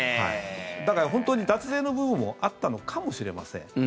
だから、本当に脱税の部分もあったのかもしれません。